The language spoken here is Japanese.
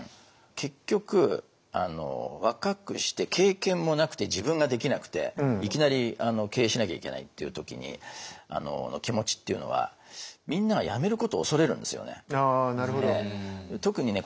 結局若くして経験もなくて自分ができなくていきなり経営しなきゃいけないっていう時の気持ちっていうのはって私は想像してます。